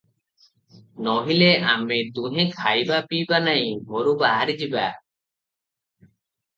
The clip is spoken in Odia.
ନୋହିଲେ ଆମେ ଦୁହେଁ ଖାଇବା ପିଇବା ନାହିଁ, ଘରୁ ବାହାରିଯିବା ।